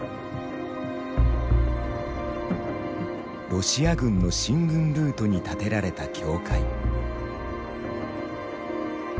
ロシア軍の進軍ルートに建てられた教会。